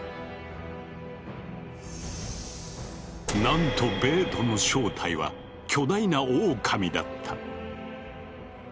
なんとベートの正体は巨大なオオカミだった。